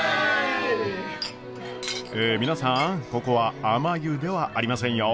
え皆さんここはあまゆではありませんよ。